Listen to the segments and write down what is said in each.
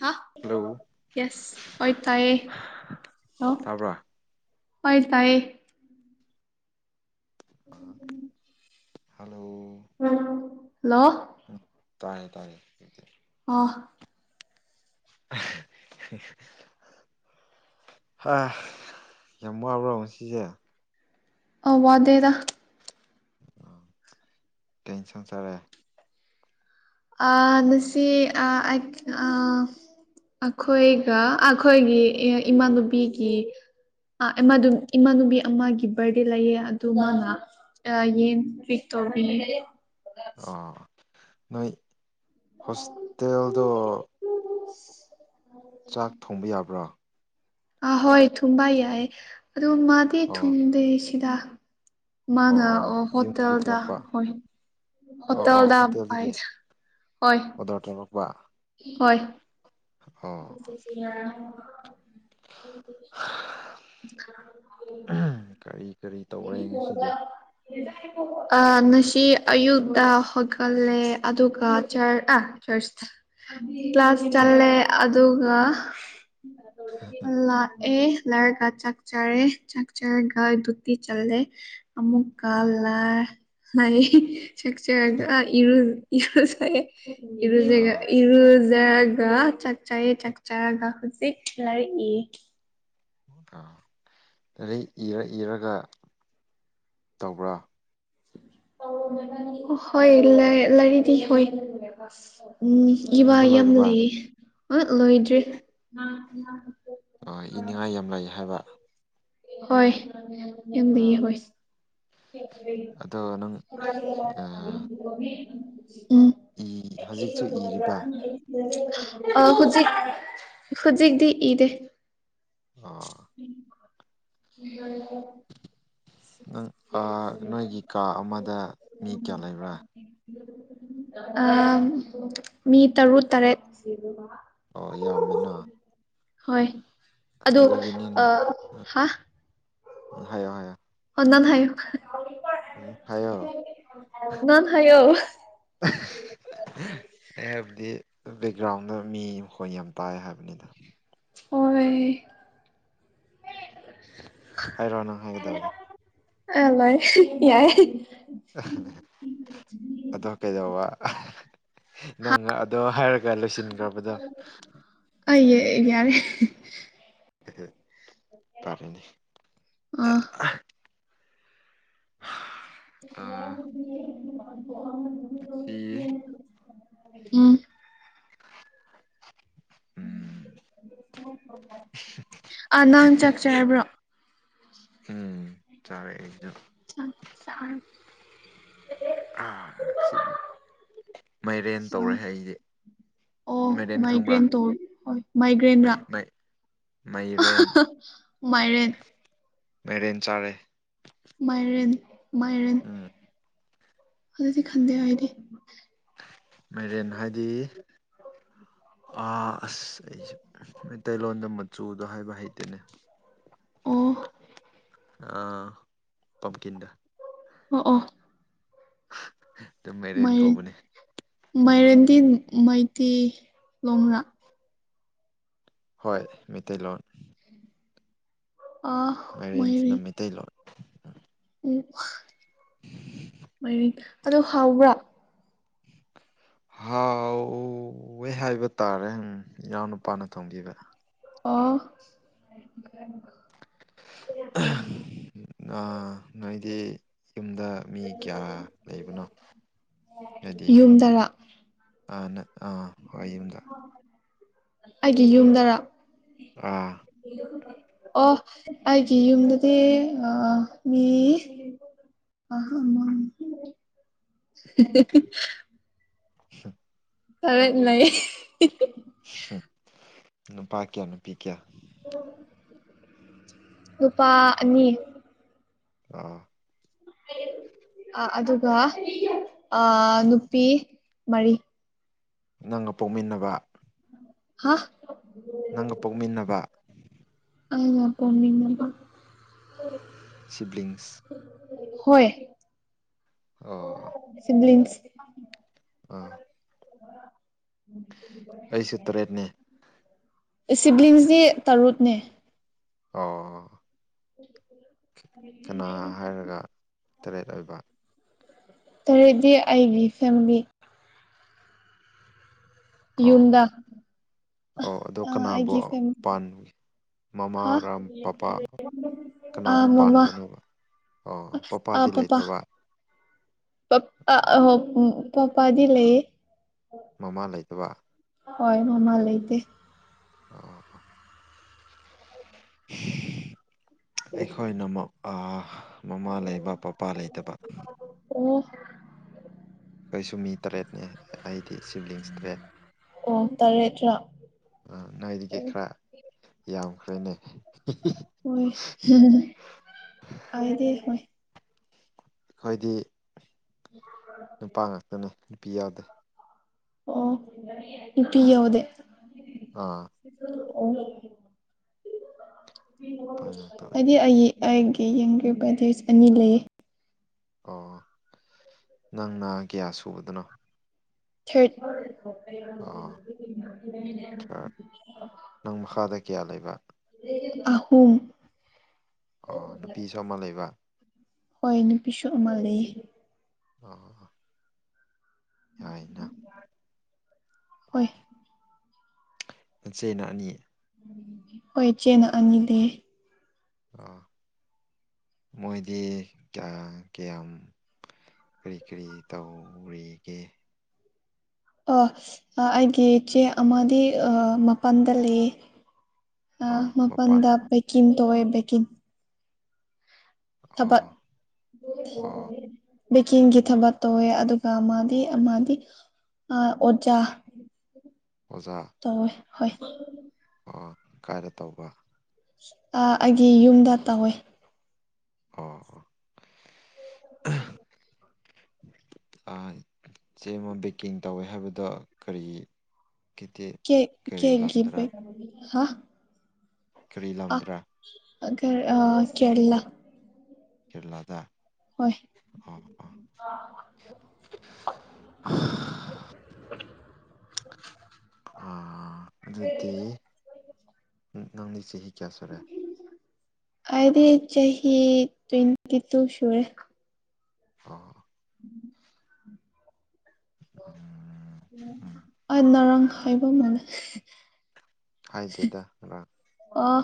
ꯍꯥ hello yes ꯑꯣꯏꯣꯏ ꯇꯌꯦ ꯍꯂ ꯇꯥꯕ꯭ꯔꯥ ꯑꯣꯏꯥꯏ ꯇꯥꯏ ꯍꯜꯂꯣ ꯍꯜꯂꯣ ꯎꯝ ꯇꯥꯏꯔꯦ ꯇꯥꯏꯔꯦ ꯑꯣ [unintelligible] ꯍꯥ ꯌꯥꯝ ꯋꯥꯕ꯭ꯔꯣ ꯉꯁꯤꯁꯦ ꯑꯋꯥꯗꯦꯗ ꯑ ꯇꯦꯟꯁꯟ ꯆꯔꯦ ꯑ ꯅꯥꯁꯤ ꯑ [unintelligible] ꯑꯩꯈꯣꯏꯒ ꯑꯩꯈꯣꯏꯒꯤ ꯏꯃꯥꯟꯅꯨꯕꯤꯒꯤ [unintelligible] ꯏꯃꯥꯟꯅꯨꯕꯤ ꯑꯃꯒꯤ ꯕꯥꯔꯗꯦ ꯂꯩꯌꯦ ꯑꯗꯨ ꯃꯥꯅ ꯑꯌꯦꯡ ꯄꯤꯛ ꯇꯧ [unintelligible] ꯑꯣ ꯅꯣꯏ ꯍꯣꯁꯇꯦꯜꯗꯣ [unintelligible] ꯆꯥꯛ ꯊꯣꯡꯕ ꯌꯥꯕ꯭ꯔꯥ ꯑꯥ ꯍꯣꯏ ꯊꯨꯝꯕ ꯌꯥꯏ ꯑꯗꯣ ꯃꯥꯗꯤ ꯑꯣ ꯊꯨꯝꯗꯦ ꯁꯤꯗ ꯑꯣ ꯃꯥꯅ ꯑꯣ ꯌꯨꯝꯗꯒꯤ ꯍꯣꯇꯦꯜꯗ ꯄꯨꯔꯛꯄ ꯍꯣꯏ ꯑꯣ ꯑꯣ ꯍꯣꯠꯇꯦꯜꯗ ꯍꯣꯇꯦꯜꯗꯒꯤ ꯑꯣꯗꯔ ꯇꯧꯔꯛꯄ [unintelligible] ꯑꯣ ꯌꯥ [unintelligible] ꯀꯔꯤ ꯀꯔꯤ ꯇꯧꯔꯦ ꯉꯁꯤꯗꯤ ꯑꯥ ꯉꯁꯤ ꯑꯌꯨꯛꯇ ꯍꯧꯒꯜꯂꯦ ꯑꯗꯨꯒ ꯆꯔ ꯑ [unintelligible] ꯀ꯭ꯂꯥꯁ ꯆꯂꯦ ꯑꯗꯨꯒ ꯑꯂꯑꯦ ꯂꯔꯒ ꯆꯥꯛ ꯆꯔꯦ ꯆꯥꯛ ꯆꯔꯒ ꯗꯨꯇꯤ ꯆꯜꯂꯦ ꯑꯥ ꯑꯃꯨꯛꯀꯜꯂ ꯂꯩ ꯆꯦꯛꯆꯒ ꯏꯔ ꯏꯔꯨꯖꯦ ꯏꯔꯨꯒ ꯑꯥ ꯏꯔꯨ ꯐꯖꯔꯒ ꯆꯥꯛꯆꯥꯏ ꯆꯥꯛꯆꯔꯒ ꯍꯧꯖꯤꯛ ꯂꯔꯛꯏ ꯑꯥ ꯑꯗꯩ ꯏꯔ ꯏꯔꯒ ꯇꯧꯕ꯭ꯔꯥ ꯍꯣꯏ ꯂꯥꯏꯔꯤꯗꯤ ꯍꯣꯏ ꯎꯝ ꯏꯕꯥ ꯏꯕ ꯌꯥꯝ ꯂꯣꯏꯔꯕ ꯂꯩꯌꯦ ꯑ ꯂꯣꯏꯗ꯭ꯔꯤ ꯏꯅꯤꯡꯉꯥꯏ ꯌꯥꯝ ꯂꯩ ꯍꯥꯏꯕ ꯍꯣꯏ ꯌꯥꯝ ꯂꯩꯌꯦ ꯑꯥ ꯍꯣꯏ [unintelligible] [unintelligible] ꯑꯗꯣ ꯅꯪ ꯏ ꯍꯧꯖꯤꯛꯁꯨ ꯏꯔꯤꯕ ꯑ ꯍꯧꯖꯤꯛ ꯍꯧꯖꯤꯛꯇꯤ ꯏꯗꯦ ꯑꯥ [unintelligible] ꯅꯪ ꯑꯥ ꯅꯣꯏꯒꯤ ꯀꯥ ꯑꯃꯗ ꯃꯤ ꯀꯌꯥ ꯂꯩꯕ꯭ꯔꯥ ꯑꯥ ꯃꯤ ꯇꯔꯨꯛ ꯇꯔꯦꯠ ꯑꯣ ꯌꯥꯝꯃꯤꯅ ꯍꯣꯏ ꯑꯗꯨ ꯑ ꯑꯗꯨꯒꯤꯅꯤꯅꯦ ꯍꯥ ꯍꯥꯏꯌꫭ ꯍꯥꯏꯌꯥ ꯎꯝ ꯍꯥꯏꯌꯣ [unintelligible] [unintelligible] ꯑꯩ ꯍꯥꯏꯕꯗꯤ ꯕꯦꯛꯒ꯭ꯔꯥꯎꯟꯗ ꯃꯤ ꯃꯈꯣꯟ ꯌꯥꯝ ꯇꯥꯏ ꯍꯥꯏꯕꯅꯤꯗ ꯑꯣꯏ ꯍꯥꯏꯔꯣ ꯅꯪ ꯍꯥꯏꯒꯗꯕꯗ ꯑ ꯂꯣꯏ ꯌꯥꯏ [unintelligible] ꯑꯗꯣ ꯀꯩꯗꯧꯕ ꯍꯥ ꯅꯪ ꯑꯗꯣ ꯍꯥꯏꯔꯒ ꯂꯣꯏꯁꯤꯟꯒ꯭ꯔꯕꯗꯣ ꯑꯩ ꯌꯥꯔꯦ ꯐꯔꯦꯅꯦ ꯑꯥ [unintelligible] ꯃꯁꯤ ꯎꯝ ꯎꯝ ꯑ ꯅꯪ ꯆꯥꯛꯆꯔꯕ꯭ꯔꯣ ꯎꯝ ꯆꯥꯔꯦ ꯑꯩꯖꯨ [unintelligible] ꯑ ꯁꯤꯔꯤ ꯃꯥꯏꯔꯦꯟ ꯇꯧꯔꯦ ꯍꯥꯏ ꯑꯩꯁꯦ ꯑꯣ ꯃꯦꯗꯥꯦꯟ ꯈꯪꯕ꯭ꯔ ꯃꯥꯏꯒ꯭ꯔꯦꯟ ꯇꯧ ꯍꯣꯏ ꯃ ꯃꯥꯏꯒ꯭ꯔꯦꯟꯔꯥ ꯃꯥꯏ ꯃꯩꯔꯦꯟ ꯃꯥꯏꯔꯦꯟ ꯃꯩꯔꯦꯟ ꯆꯥꯔꯦ ꯃꯥꯏꯔꯦꯟ ꯃꯥꯏꯔꯦꯟ ꯎꯝ ꯑꯗꯨꯗꯤ ꯈꯟꯗꯦ ꯍꯥꯏꯗꯤ ꯃꯥꯏꯔꯦꯟ ꯍꯥꯏꯗꯤ ꯑꯁ ꯑꯩꯁꯦ ꯃꯩꯇꯩꯂꯣꯟꯗ ꯃꯆꯨꯗꯣ ꯍꯥꯏꯕ ꯍꯩꯇꯅꯦ ꯑꯣ ꯄꯝꯀꯤꯗ ꯑꯣ ꯑꯣ ꯑꯗꯨꯝ ꯃꯦꯔꯦꯟ ꯃꯥꯏꯔꯦꯟ ꯀꯧꯕꯅꯤ ꯃꯥꯏꯔꯦꯟꯗꯤ ꯃꯩꯇꯩ ꯂꯣꯡꯡꯂꯥ ꯍꯣꯏ ꯃꯩꯇꯩꯂꯣꯟ ꯑꯥ ꯃꯥꯏꯔꯦꯟꯁꯤꯅ ꯃꯥꯏꯔꯦꯟ ꯃꯩꯇꯩꯂꯣꯟ ꯎꯝ ꯃꯔꯤ ꯑꯗꯣ ꯍꯥꯎꯕ꯭ꯔꯥ [unintelligible] ꯍꯥꯎꯋꯦ ꯍꯥꯏꯕ ꯇꯥꯔꯦꯪ ꯏꯅꯥꯎ ꯅꯨꯄꯥꯅ ꯊꯣꯡꯈꯤꯕ ꯑꯣ ꯅꯣꯏꯗꯤ ꯌꯨꯝꯗ ꯃꯤ ꯀꯌꯥ ꯂꯩꯕꯅꯣ ꯍꯥꯏꯗꯤ ꯌꯨꯝꯗꯔꯥ ꯑ ꯑꯥ ꯍꯣꯏ ꯌꯨꯝꯗ ꯑꯩꯒꯤ ꯌꯨꯝꯗꯔ ꯑꯥ ꯑꯣ ꯑꯩꯒꯤ ꯌꯨꯝꯗꯗꯤ ꯃꯤ ꯑ [unintelligible] [inaudible] ꯈꯔ ꯂꯩ ꯍꯨꯝ ꯅꯨꯄꯥ ꯀ꯭ꯌꯥ ꯅꯨꯄꯤ ꯀ꯭ꯌꯥ ꯅꯨꯨꯄꯥ ꯑꯅꯤ ꯑꯥ ꯑ ꯑꯗꯨꯒ ꯑ ꯅꯨꯄꯤ ꯃꯔꯤ ꯅꯪꯒ ꯄꯣꯛꯃꯤꯟꯅꯕ ꯍꯥ ꯅꯪꯒ ꯄꯣꯛꯃꯤꯟꯅꯕ ꯑꯩꯒ ꯄꯣꯛꯃꯤꯟꯅꯕ ꯁꯤꯕ꯭ꯂꯤꯡꯁ ꯍꯣꯏ ꯑꯣ ꯁꯤꯕ꯭ꯂꯤꯡꯁ ꯑꯥ ꯑꯩꯁꯨ ꯇꯔꯦꯠꯅꯦ ꯑꯦ ꯁꯤꯕ꯭ꯂꯤꯡꯁꯗꯤ ꯇꯔꯨꯠꯅꯦ ꯑꯣ ꯀꯅꯥ ꯍꯥꯏꯔꯒ ꯇꯔꯦꯠ ꯑꯣꯏꯕ꯫ ꯇꯔꯦꯠꯗꯤ ꯑꯩꯒꯤ ꯐꯦꯃꯤꯂꯤ ꯌꯨꯝꯗ ꯑꯧ ꯑꯗꯣ ꯀꯅꯥꯕꯨ ꯑꯩꯒꯤ ꯐꯦꯃꯤꯂꯤ ꯄꯥꯟ ꯍꯥ ꯃꯃꯥꯔꯥꯝ ꯄꯄꯥ ꯑ ꯀꯅꯥꯕꯨ ꯃꯃꯥ ꯄꯥꯟꯕꯅꯣꯕ ꯑꯣ ꯄꯄꯥꯗꯤ ꯂꯩꯇ꯭ꯔꯕ ꯑꯣ ꯄꯥꯄꯥꯗꯤ [unintelligible] ꯄꯥꯄꯥꯗꯤ ꯂꯩꯌꯦ ꯃꯃꯥ ꯂꯩꯇꯕ ꯍꯣꯏ ꯃꯃꯥ ꯂꯩꯇꯦ [inaudible] [unintelligible] ꯑꯩꯈꯣꯏꯅꯃꯨꯛ ꯑ ꯃꯥꯃꯥ ꯂꯩꯕ ꯄꯄꯥ ꯂꯩꯇꯕ ꯑꯣ ꯑꯩꯁꯨ ꯃꯤ ꯇꯔꯦꯠꯅꯤ ꯑꯩꯗꯤ ꯁꯤꯕ꯭ꯂꯤꯡꯁ ꯇꯔꯦꯠ ꯑꯣ ꯇꯔꯦꯠꯔꯥ ꯑ ꯅꯣꯏꯗꯒꯤ ꯑꯣ ꯈ꯭ꯔ ꯌꯥꯝꯈ꯭ꯔꯦꯅꯦ ꯍꯣꯏ ꯍ ꯍ ꯍ ꯑꯩꯗꯦ ꯍꯣꯏ ꯑꯩꯈꯣꯏꯗꯤ [inaudible] ꯅꯨꯄꯥ ꯉꯥꯛꯇꯅꯦ ꯅꯨꯄꯤ ꯌꯥꯎꯗꯦ ꯑꯣ ꯅꯨꯄꯤ ꯌꯧꯗꯦ ꯑꯥ ꯑꯣ ꯅꯨꯄꯥ ꯉꯥꯛꯇ ꯑꯣꯏ ꯑꯩꯗꯤ ꯑꯩꯒꯤ ꯑꯩꯒꯤ ꯌꯨꯝꯒꯤ ꯕ꯭ꯔꯗ꯭ꯔꯖ ꯑꯅꯤ ꯂꯩꯌꯦ꯫ ꯑꯣ ꯅꯪꯅ ꯀꯌꯥ ꯁꯨꯕꯗꯅꯣ꯫ ꯑꯣ ꯊꯥꯔꯗ ꯊꯥꯔꯠ ꯅꯪ ꯃꯈꯥꯗ ꯀꯌꯥ ꯂꯩꯕ [unintelligible] ꯑꯍꯨꯝ ꯑꯣ ꯅꯨꯄꯤꯁꯨ ꯑꯃ ꯂꯩꯕ ꯍꯣꯏ ꯅꯨꯄꯤꯁꯨ ꯑꯃ ꯂꯩꯌꯦ [inaudible] ꯌꯥꯏꯅ ꯍꯣꯏ ꯅꯆꯦꯅ ꯑꯅꯤ ꯍꯣꯏ ꯏꯆꯦꯅ ꯑꯅꯤꯗꯤ ꯑ ꯃꯣꯏꯗꯤ ꯀ꯭ꯌꯥꯀ꯭ꯌꯝ ꯀꯔꯤ ꯀꯔꯤ ꯇꯧꯔꯤꯒꯦ ꯑꯣ ꯑꯩꯒꯤ ꯏꯆꯦ ꯑꯃꯗꯤ ꯃꯄꯥꯟꯗ ꯂꯩꯌꯦ ꯑ ꯑꯣ ꯃꯄꯥꯟ ꯃꯄꯟꯗ ꯕꯦꯀꯤꯟ ꯇꯧꯋꯦ ꯕꯦꯀꯤꯟ ꯊꯕꯛ ꯑꯣ ꯑꯣ ꯕꯦꯀꯤꯡꯒꯤ ꯊꯕꯛ ꯇꯧꯋꯦ ꯑꯗꯨꯒ ꯃꯗꯤ ꯑꯃꯗꯤ ꯑ ꯑꯣꯖꯥ ꯑꯣꯖꯥ ꯇꯧꯋꯦ ꯍꯣꯏ ꯑꯣ ꯀꯥꯏꯗ ꯇꯧꯕ ꯑ ꯑꯩꯒꯤ ꯌꯨꯝꯗ ꯇꯧꯋꯦ ꯑꯣꯑꯣ [inaudible] ꯑ ꯆꯦꯂꯣꯝ ꯕꯦꯛꯀꯤꯡ ꯇꯧꯋꯦ ꯍꯥꯏꯕꯗꯣ ꯀꯔꯤ ꯀꯤꯗꯤ ꯀꯦꯛ ꯀꯔꯤ ꯀꯦꯛꯒꯤ ꯂꯝꯗꯔꯥ ꯕꯦꯛ ꯍꯥ ꯀꯔꯤ ꯂꯝꯗ꯭ꯔꯥ ꯑꯒꯔ ꯑ ꯀꯦꯔꯂ ꯀꯦꯔꯦꯂꯥꯗ ꯍꯣꯏ ꯑꯥ ꯑꯥ [inaudible] ꯑꯥ ꯑꯗꯨꯗꯤ ꯅꯪꯗꯤ ꯆꯍꯤ ꯀꯌꯥ ꯁꯨꯔꯦ ꯑꯩꯗꯤ ꯆꯍꯤ ꯇ꯭ꯋꯦꯟꯇꯤꯇꯨ ꯁꯨꯔꯦ ꯍꯣꯍꯨꯏ ꯎꯝ [inaudible] ꯎꯝ ꯑꯅ ꯍꯥꯎꯕ ꯃꯟꯂꯦ ꯍꯥꯏꯗꯦꯗ ꯉꯔꯥꯡ ꯑꯣ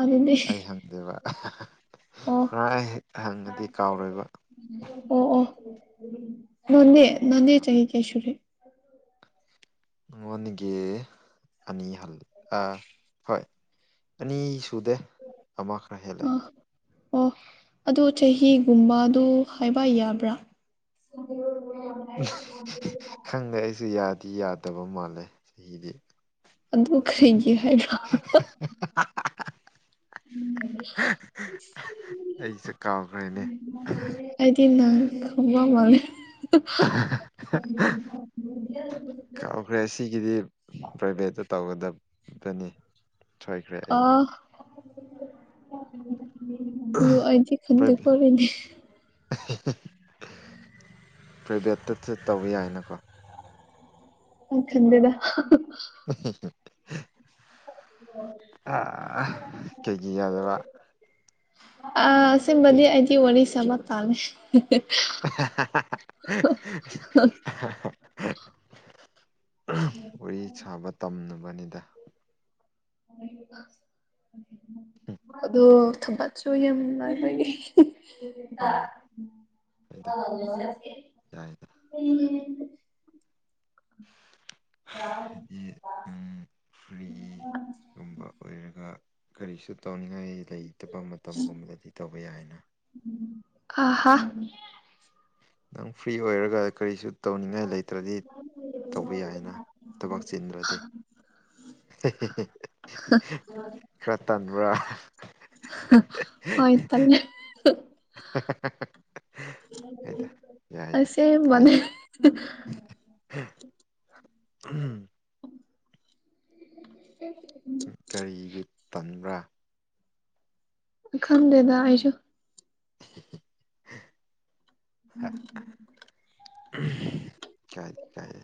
ꯑꯗꯨꯗꯤ ꯑꯗꯨꯒ ꯑꯣ [unintelligible] ꯍꯪꯉꯗꯤ ꯀꯥꯎꯔꯣꯏꯕ ꯑꯣ ꯑꯣ ꯅꯅꯦ ꯅꯅꯦ ꯆꯍꯤ ꯀꯌꯥ ꯁꯨꯨꯔꯦ ꯅꯉꯣꯟꯗꯒꯤ ꯑꯅꯤ ꯍꯜꯂꯦ ꯑ ꯍꯣꯏ ꯑꯅꯤ ꯁꯨꯗꯦ ꯑꯃ ꯈꯔ ꯍꯦꯜꯂꯦ ꯑꯥ ꯑꯣ ꯑꯗꯨ ꯆꯍꯤꯒꯨꯝꯕꯗꯨ ꯍꯥꯏꯕ ꯌꯥꯕ꯭ꯔ [unintelligible] [unintelligible] ꯈꯪꯗꯦ ꯑꯩꯁꯨ ꯌꯥꯗꯤ ꯌꯥꯗꯕ ꯃꯥꯜꯂꯦ ꯆꯍꯤꯗꯤ ꯑꯗꯨ ꯀꯔꯤꯒꯤ ꯍꯥꯏꯕ꯭ꯔꯥ [unintelligible] [unintelligible] [unintelligible] ꯑꯩꯁꯨ ꯀꯥꯎꯈ꯭ꯔꯦꯅꯦ [unintelligible] ꯑꯩꯗꯤ ꯅꯪ ꯈꯪꯕ ꯃꯥꯜꯂꯦ [unintelligible] ꯀꯥꯎꯈ꯭ꯔꯦ ꯑꯁꯤꯒꯤꯗꯤ ꯄ꯭ꯔꯥꯏꯚꯦꯠꯇ ꯇꯧꯒꯗꯕ ꯗꯅꯤ ꯑꯣ [unintelligible] [unintelligible] ꯑꯗꯣ ꯑꯩꯗꯤ ꯄ꯭ꯔꯥꯏ ꯈꯟꯗꯦꯀꯣ [unintelligible] [unintelligible] ꯄ꯭ꯔꯥꯏꯚꯦꯠꯇ ꯆꯦꯠ ꯇꯧꯕ ꯌꯥꯏꯅꯥꯀꯣ ꯑꯩ ꯈꯪꯗꯦꯗ [unintelligible] [unintelligible] ꯀꯩꯒꯤ ꯌꯥꯗꯕ ꯑꯥ ꯑꯁꯦꯡꯕꯗꯤ ꯑꯩꯗꯤ ꯋꯥꯔꯤ ꯁꯥꯕ ꯇꯥꯜꯂꯦ [unintelligible] [unintelligible] ꯋꯥꯔꯤ ꯁꯥꯕ ꯇꯝꯅꯕꯅꯤꯗꯥ [unintelligible] [unintelligible] ꯑꯗꯣ ꯊꯕꯛꯁꯨ ꯌꯥꯝ ꯂꯩꯕꯒꯤ [unintelligible] [unintelligible] ꯑꯥ ꯍꯣꯏꯗ ꯌꯥꯏꯗ [unintelligible] ꯑꯩꯗꯤ ꯎꯝ ꯐ꯭ꯔꯤ ꯒꯨꯝꯕ ꯑꯣꯏꯔꯒ ꯀꯔꯤꯁꯨ ꯇꯧꯅꯤꯡꯉꯥꯏ ꯂꯩꯇꯕ ꯃꯇꯝꯒꯨꯝꯕꯗꯗꯤ ꯇꯧꯕ ꯌꯥꯏꯑꯦꯅ [unintelligible] ꯑꯥ ꯍꯥ ꯅꯪ ꯐ꯭ꯔꯤ ꯑꯣꯏꯔꯒ ꯀꯔꯤꯁꯨ ꯇꯧꯅꯤꯡꯉꯥꯏ ꯂꯩꯇ꯭ꯔꯗꯤ ꯇꯧꯕ ꯌꯥꯏꯑꯦꯅ ꯊꯕꯛ ꯆꯤꯟꯗ꯭ꯔꯗꯤ [unintelligible] ꯈꯔꯥ ꯇꯟꯕ꯭ꯔꯥ [unintelligible] ꯍꯣꯏ [unintelligible] ꯇꯜꯂꯦ [unintelligible] ꯌꯥꯏꯗ ꯌꯥꯏꯗ ꯑꯁꯦꯡꯕꯅꯦ ꯀꯥꯏꯗꯦ [unintelligible] ꯎꯝ, [unintelligible] ꯀꯔꯤꯒꯤ ꯇꯟꯕ꯭ꯔꯥ ꯑꯩ ꯈꯪꯗꯦꯗ ꯑꯩꯁꯨ [unintelligible] [unintelligible] ꯀꯥꯏꯗꯦ ꯀꯥꯏꯗꯦ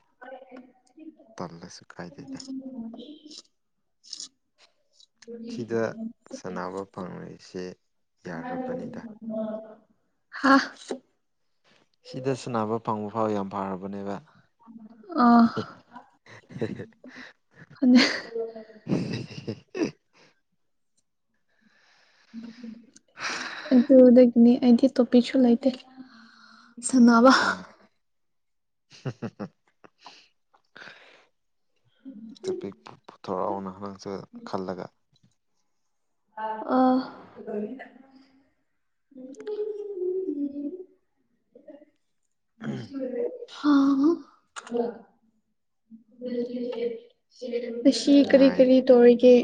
ꯇꯜꯂꯁꯨ ꯀꯥꯏꯗꯦꯗꯥ [unintelligible] ꯁꯤꯗ ꯁꯥꯟꯅꯕ ꯐꯪꯔꯤꯁꯦ ꯌꯥꯔꯕꯅꯤꯗ [unintelligible] ꯍꯥ ꯁꯤꯗ ꯁꯥꯟꯅꯕ ꯐꯪꯕ ꯐꯥꯎ ꯌꯥꯝ ꯐꯔꯕꯅꯦꯕ ꯑꯥ ꯑꯗꯨ [unintelligible] [unintelligible] [unintelligible] ꯑꯗꯨꯗꯒꯤꯅꯤ ꯑꯩꯗꯤ ꯇꯣꯄꯤꯛꯁꯨ ꯂꯩꯇꯦ ꯁꯥꯟꯅꯕ ꯎꯝ [unintelligible] ꯇꯣꯄꯤꯛꯄꯨ ꯄꯨꯊꯣꯛꯔꯛꯎꯅꯥ ꯅꯪꯁꯨ ꯈꯜꯂꯒ ꯑꯥ [unintelligible] [unintelligible] ꯍꯥ [unintelligible] ꯉꯥꯁꯤ ꯀꯔꯤ ꯀꯔꯤ ꯇꯧꯔꯤꯒꯦ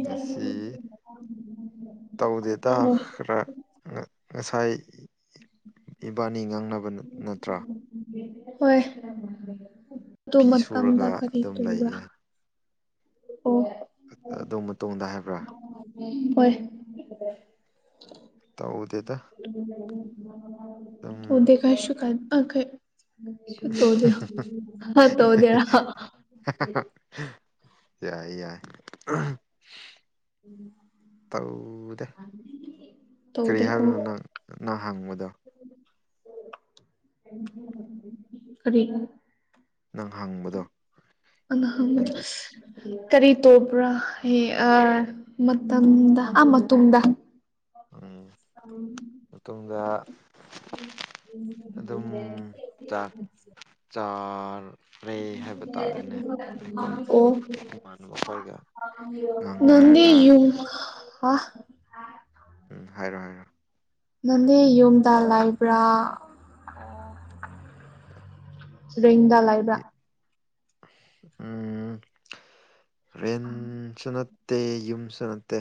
ꯉꯥꯁꯤ ꯇꯧꯗꯦꯇꯥ ꯍꯣꯏ ꯈꯔꯥ ꯉꯁꯥꯏ ꯏꯕꯥꯅꯤ ꯉꯥꯡꯅꯕ ꯅꯠꯇ꯭ꯔꯥ ꯍꯣꯏ ꯑꯗꯨ ꯐꯤ ꯁꯨꯔꯒ ꯃꯇꯝꯗ ꯀꯔꯤ ꯑꯗꯨꯝ ꯇꯧꯕ꯭ꯔꯥ ꯂꯩꯌꯦ ꯑꯣ ꯑꯗꯨ ꯃꯇꯨꯡꯗ ꯍꯥꯏꯕ꯭ꯔꯥ ꯍꯣꯏ ꯇꯧꯗꯦꯗ ꯑꯗꯨꯝ [unintelligible] ꯇꯧꯗꯦ ꯇꯧꯗꯦꯔ ꯌꯥꯏꯌꯦ ꯌꯥꯏ ꯇꯧ ꯀꯔꯤ ꯇꯧꯗꯦ ꯑꯣ ꯍꯥꯏꯕꯅꯣ ꯅꯪ ꯅꯪ ꯍꯪꯕꯗꯣ ꯀꯔꯤ ꯅꯪ ꯍꯪꯕꯗꯣ ꯅꯪꯒꯤ [unintelligible] ꯀꯔꯤ ꯇꯧꯕ꯭ꯔꯥ ꯍꯥꯌꯦ ꯑꯥ ꯃꯇꯝꯗꯥ ꯑꯥ ꯃꯇꯨꯡꯗ ꯎꯝ ꯎꯝ ꯃꯇꯨꯡꯗ ꯑꯗꯨꯝ ꯆꯥꯛ ꯆꯥ ꯔꯦ ꯍꯥꯏꯕ ꯇꯥꯔꯦꯅꯦ ꯑꯩꯈꯣꯏ ꯏꯃꯥꯟꯅꯕ ꯈꯣꯏꯒ ꯅꯗꯤ ꯉꯥꯡꯅꯔꯒ ꯌꯨꯝ ꯑ ꯎꯝ ꯍꯥꯏꯔꯣ ꯍꯥꯏꯔꯣ ꯅꯪꯅꯦ ꯌꯨꯝꯗ ꯂꯩꯥꯏꯕ꯭ꯔꯥ ꯔꯦꯡꯗꯥ ꯂꯥꯏꯕ꯭ꯔ ꯎꯝ ꯔꯦꯟꯁꯤꯅ ꯇ ꯌꯨꯝꯁꯨ ꯅꯠꯇꯦ